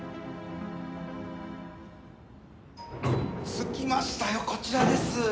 着きましたよこちらです。